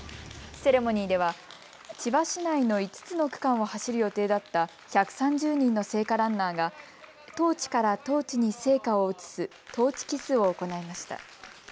セレモニーでは千葉市内の５つの区間を走る予定だった１３０人の聖火ランナーがトーチからトーチに聖火を移すトーチキスを行いました。